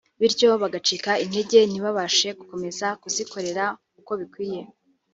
bityo bagacika intege ntibabashe gukomeza kuzikorera uko bikwiye